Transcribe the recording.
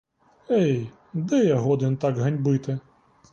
Ей, де я годен так ганьбити!